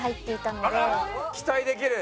期待できる！